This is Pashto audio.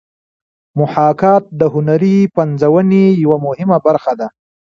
محاکات د هنري پنځونې یوه مهمه برخه ده